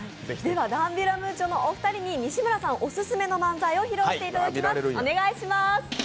ダンビラムーチョのお二人に西村さんオススメの漫才を披露していただきます。